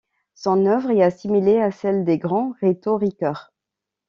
Son œuvre est assimilée à celle des grands rhétoriqueurs.